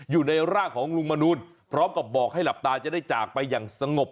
อยู่ในร่างของลุงมนูลพร้อมกับบอกให้หลับตาจะได้จากไปอย่างสงบ